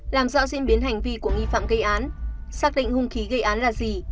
làm rõ diễn biến hành vi của nghi phạm gây án xác định hung khí gây án là gì